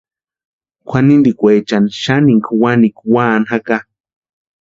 Kwʼanintikwechani xaninka wanikwa únhani jaka.